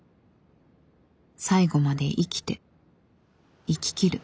最期まで生きて生ききる。